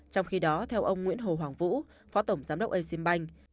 trong khi đó theo ông nguyễn hồ hoàng vũ phó tổng giám đốc e sim banh